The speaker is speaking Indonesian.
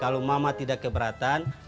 kalau mama tidak keberatan